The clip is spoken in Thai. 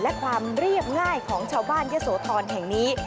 และความเรียบง่ายของชาวบ้านยะโสธรแห่งนี้